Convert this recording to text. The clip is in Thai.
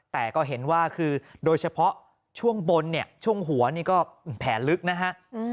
แต่ก็เห็นว่าคือโดยเฉพาะช่วงบนเนี่ยช่วงหัวนี่ก็แผลลึกนะฮะ